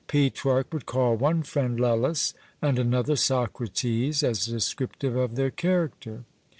Petrarch would call one friend Lellus, and another Socrates, as descriptive of their character.